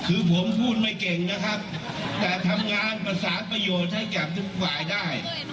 คือผมพูดไม่เก่งนะครับแต่ทำงานประสานประโยชน์ให้กับทุกฝ่ายได้